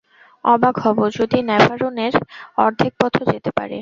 অবাক হব যদি ন্যাভারোনের অর্ধেক পথও যেতে পারে।